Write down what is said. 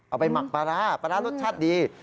เอาไปหมักปาร้าปาร้ารสชาติดี